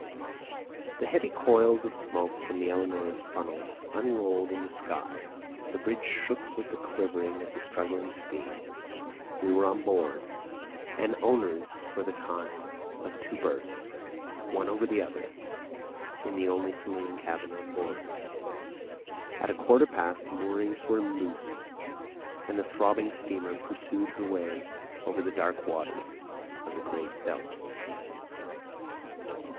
The heavy coils of smoke from the Ellenora's funnel unrolled in the sky, the bridge shook with the quivering of the struggling steam; we were on board, and owners for the time of two berths, one over the other, in the only saloon cabin on board. At a quarter past the moorings were loosed and the throbbing steamer pursued her way over the dark waters of the Great Belt.